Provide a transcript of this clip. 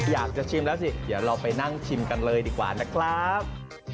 อยากจะชิมแล้วสิเดี๋ยวเราไปนั่งชิมกันเลยดีกว่านะครับ